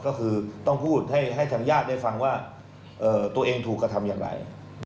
ก็คือต้องพูดให้ทางญาติได้ฟังว่าตัวเองถูกกระทำอย่างไร